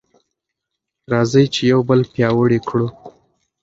راځئ چې یو بل پیاوړي کړو.